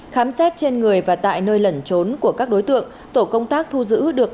khám xét trên người và tại nơi lẩn trốn của các đối tượng tổ công tác thu giữ được